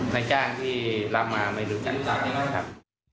เนิ่นแจ้งที่ลำมาไม่รู้จักกัน